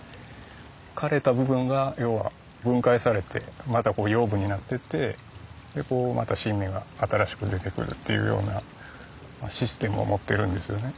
枯れた部分が要は分解されてまた養分になっていってまた新芽が新しく出てくるっていうようなシステムを持ってるんですよね。